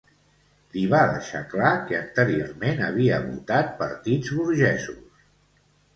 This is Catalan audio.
Li va deixar clar que anteriorment havia votat partits burgesos.